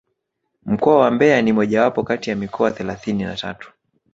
Mkoa wa mbeya ni mojawapo kati ya mikoa thelathini na tatu